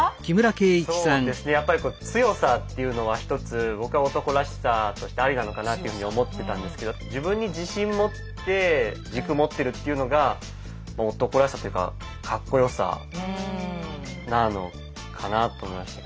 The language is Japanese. そうですねやっぱり強さっていうのは一つ僕は男らしさとしてありなのかなっていうふうに思ってたんですけど自分に自信持って軸持ってるっていうのが男らしさというかかっこよさなのかなと思いましたけど。